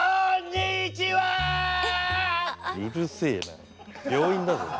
うるせえな病院だぞ。